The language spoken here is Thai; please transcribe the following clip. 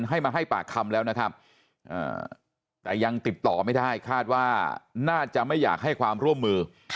ให้มาให้ปากคำแล้วนะครับแต่ยังติดต่อไม่ได้คาดว่าน่าจะไม่อยากให้ความร่วมมือ